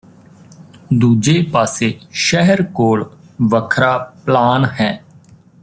ਦੂਜੇ ਪਾਸੇ ਸ਼ਹਿਰ ਕੋਲ ਵੱਖਰਾ ਪਲਾਨ ਹੈ